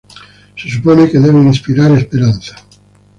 Se supone que debe inspirar esperanza.